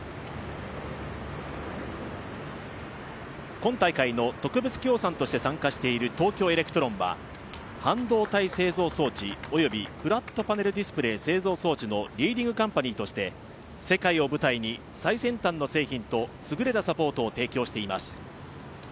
今大会の特別協賛として参加している東京エレクトロンは半導体製造装置のリーディングカンパニーとして世界を舞台に最先端の製品と優れたサポートを提供しています。